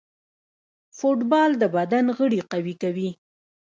فوټبال د بدن غړي قوي کوي.